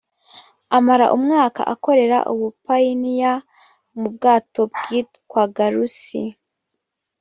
amara umwaka akorera ubupayiniya mu bwato bwitwaga rusi